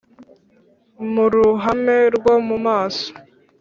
mu ruhame rwo mu maso,